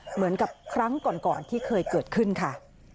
เหมือนกับครั้งก่อนที่เคยเกิดขึ้นค่ะ